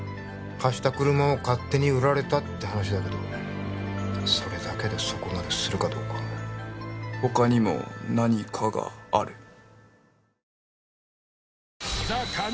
貸した車を勝手に売られたって話だけどそれだけでそこまでするかどうか他にも何かがある